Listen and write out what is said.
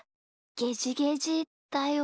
ゲジゲジだよ。